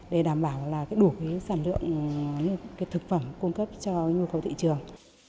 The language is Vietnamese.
để đảm bảo là đủ sản lượng thực phẩm cung cấp cho nhu cầu thị trường